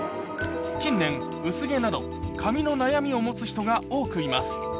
近年薄毛など髪の悩みを持つ人が多くいます